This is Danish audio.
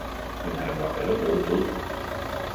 Men han var allerede død.